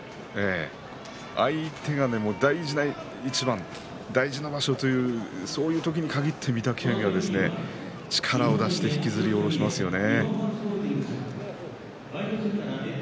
相手が大事な一番大事な場所そういう時に限って御嶽海は力を出して引きずり下ろしますね。